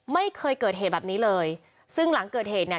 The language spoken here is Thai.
ไม่เคยเกิดเหตุแบบนี้เลยซึ่งหลังเกิดเหตุเนี่ย